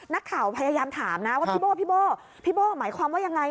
นักข่าวพยายามถามพี่โบ้หมายความว่ายังไง